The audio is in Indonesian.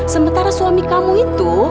sementara suami kamu itu